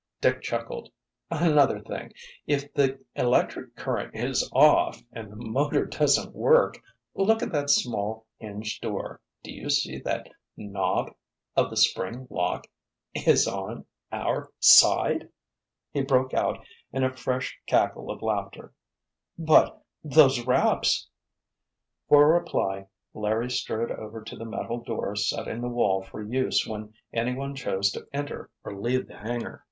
Dick chuckled. "Another thing—even if the electric current is off and the motor doesn't work—look at that small, hinged door—do you see that the knob of the spring lock—is on—our—side!" He broke out in a fresh cackle of laughter. "But—those raps——" For reply Larry strode over to the metal door set in the wall for use when anyone chose to enter or leave the hangar.